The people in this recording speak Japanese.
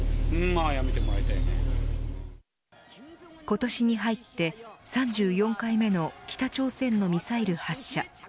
今年に入って３４回目の北朝鮮のミサイル発射。